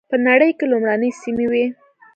په نړۍ کې لومړنۍ سیمې وې.